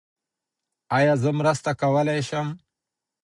ایا زه مرسته کولي شم؟